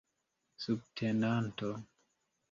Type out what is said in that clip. subtenanto